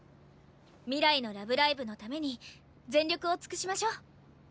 未来のラブライブのために全力を尽くしましょう。